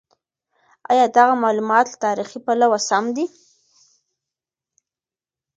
ایا دغه مالومات له تاریخي پلوه سم دي؟